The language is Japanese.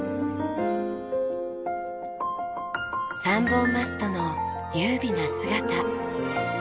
３本マストの優美な姿。